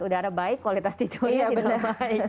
udara baik kualitas tidurnya tidak baik